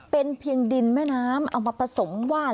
เป็นเพียงดินแม่น้ำเอามาผสมว่าน